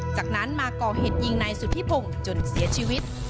จากนั้นมาก่อเหตุยิงนายสุธิพงศ์จนเสียชีวิต